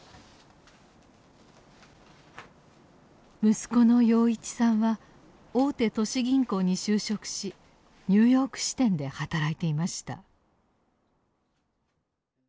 息子の陽一さんは大手都市銀行に就職しニューヨーク支店で働いていました。